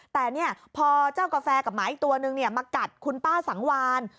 แต่พอเจ้ากาแฟกับหมาอีกตัวนึงมากัดคุณป้าสังวาน